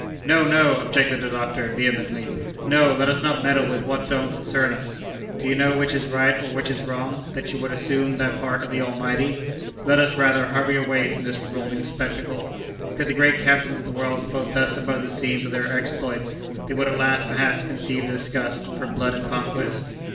"No! no!" objected the doctor, vehemently; "no, let us not meddle with what don't concern us. Do you know which is right or which is wrong, that you would assume the part of the Almighty? Let us, rather, hurry away from this revolting spectacle. Could the great captains of the world float thus above the scenes of their exploits, they would at last, perhaps, conceive a disgust for blood and conquest."